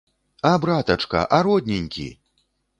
А братачка, а родненькі!